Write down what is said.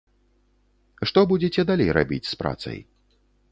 Што будзеце далей рабіць з працай?